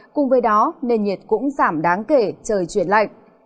cùng với đó nền nhiệt cũng giảm đáng kể trời chuyển lạnh